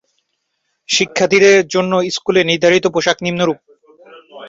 শিক্ষার্থীদের জন্য স্কুলে নির্ধারিত পোশাক নিম্নরূপ